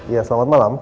ya selamat malam